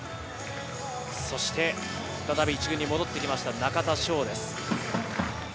そして、再び１軍に戻ってきました、中田翔です。